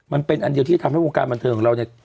มันเป็นอันเดียวที่ทำให้วงการบันเทิงของเราเนี่ย